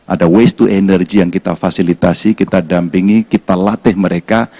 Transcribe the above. ada waste to energy yang kita fasilitasi kita dampingi kita latih mereka